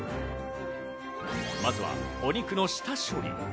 まずは、お肉の下処理。